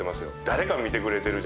誰か見てくれてる！